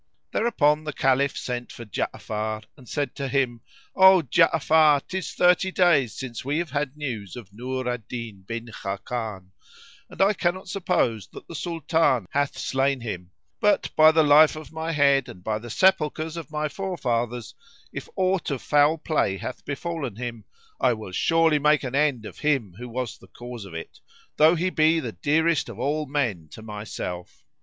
Thereupon the Caliph sent for Ja'afar and said to him, "O Ja'afar, 'tis thirty days since we have had news of Nur al Din bin Khákán, and I cannot but suppose that the Sultan hath slain him; but, by the life of my head and by the sepulchres of my forefathers, if aught of foul play hath befallen him, I will surely make an end of him who was the cause of it, though he be the dearest of all men to myself!